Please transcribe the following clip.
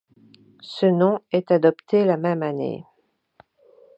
Ce nom est adopté la même année.